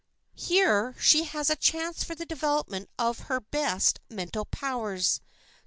Here she has a chance for the development of her best mental powers.